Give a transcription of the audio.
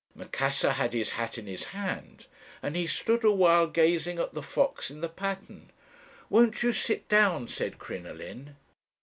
"Macassar had his hat in his hand, and he stood a while gazing at the fox in the pattern. 'Won't you sit down?' said Crinoline.